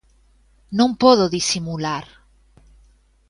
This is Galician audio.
Non podo disimular.